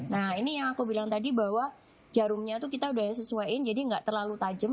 nah ini yang aku bilang tadi bahwa jarumnya itu kita udah sesuaiin jadi nggak terlalu tajam